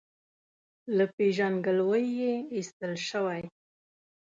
له پېژندګلوۍ یې ایستل شوی.